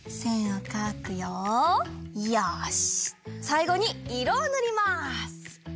さいごにいろをぬります！